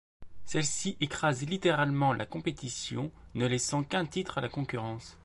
Celles-ci écrasent littéralement la compétition, ne laissant qu'un titre à la concurrence.